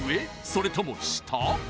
それとも下？